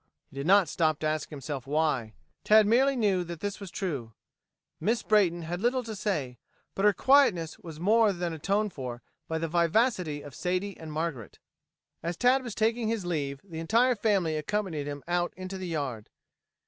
He did not stop to ask himself why. Tad merely knew that this was true. Miss Brayton had little to say, but her quietness was more than atoned for by the vivacity of Sadie and Margaret. As Tad was taking his leave the entire family accompanied him out into the yard.